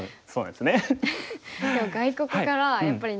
そうなんですか。